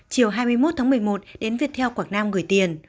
chiều hai mươi một tháng một mươi một đến việt theo quảng nam gửi tiền